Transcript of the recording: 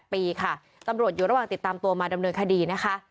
ปีค่ะตำรวจอยู่ระหว่างติดตามตัวมาดำเนินคดีนะคะ